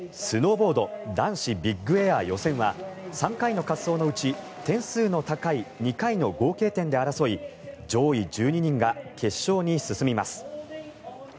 スノーボード男子ビッグエア予選は３回の滑走のうち点数の高い２回の合計点で争い上位１２人が決勝に進みます。